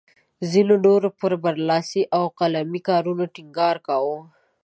ځینو نورو پر برلاسي او قلمي کارونو ټینګار کاوه.